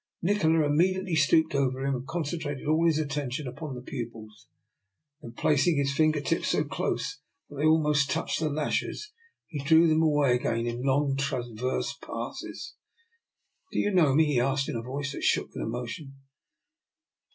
Nikola immediately stooped over him, and concentrated all his attention upon the pupils. Then placing his finger tips so close that they almost touched the lashes, he drew them away again in long transverse passes. " Do you know me? *' he asked, in a voice that shook with emotion.